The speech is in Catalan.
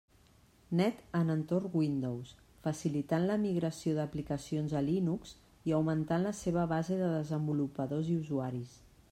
Net en entorn Windows, facilitant la migració d'aplicacions a Linux i augmentant la seva base de desenvolupadors i usuaris.